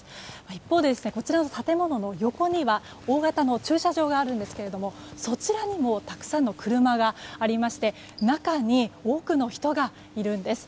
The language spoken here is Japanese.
一方で、こちらの建物の横には大型の駐車場があるんですがそちらにもたくさんの車がありまして中に多くの人がいるんです。